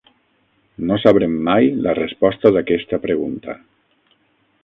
No sabrem mai la resposta d'aquesta pregunta.